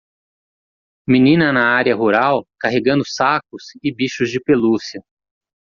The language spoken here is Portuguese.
Menina na área rural? carregando sacos e bichos de pelúcia.